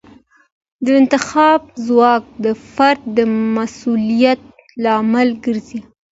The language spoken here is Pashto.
د انتخاب ځواک د فرد د مسوولیت لامل کیږي.